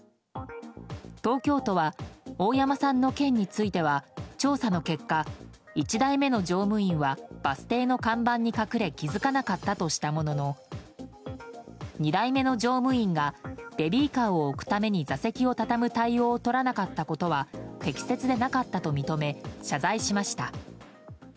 東京都は大山さんの件については調査の結果、１台目の乗務員はバス停の看板に隠れ気づかなかったとしたものの２台目の乗務員が、ベビーカーを置くために座席を畳む対応をとらなかったことは適切でなかったと認め謝罪しました。